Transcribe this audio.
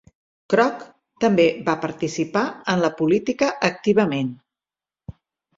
Kroc també va participar en la política activament.